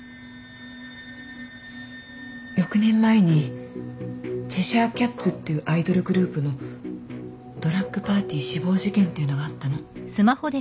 ６年前にチェシャーキャッツっていうアイドルグループのドラッグパーティー死亡事件っていうのがあったの。